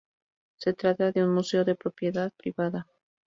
Se trata de un museo de propiedad privada.